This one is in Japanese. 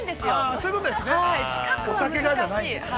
◆そういうことですね。